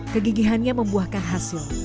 kegigihannya membuahkan hasil